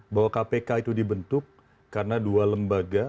bahwa kpk itu dibentuk karena dua lembaga